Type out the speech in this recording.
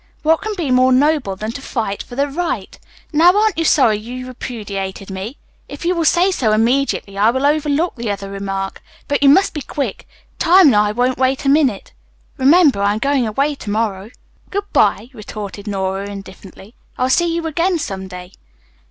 What can be more noble than to fight for the right? Now, aren't you sorry you repudiated me? If you will say so immediately I will overlook the other remark. But you must be quick. Time and I won't wait a minute. Remember, I'm going away to morrow." "Good bye," retorted Nora indifferently. "I'll see you again some day."